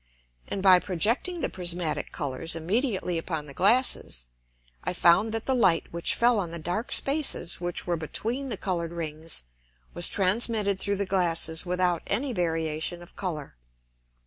And by projecting the prismatick Colours immediately upon the Glasses, I found that the Light which fell on the dark Spaces which were between the Colour'd Rings was transmitted through the Glasses without any variation of Colour.